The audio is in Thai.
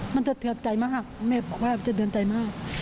มันสะเทือนใจมากแม่บอกว่าสะเทือนใจมาก